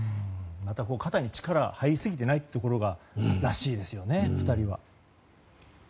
肩に力が入りすぎていないところがらしいですよね、２人は。